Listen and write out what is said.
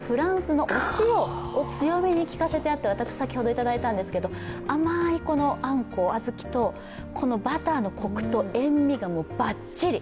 フランスのお塩を強めにきかせてあって私、先ほどいただいたんですけど、甘いあんこ、小豆とこのバターのコクと塩みがばっちり。